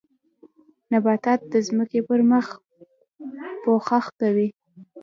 نباتات د ځمکې پر مخ پوښښ کوي